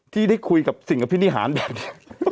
ที่ได้คุยสิ่งกับพินิหารแบบนี้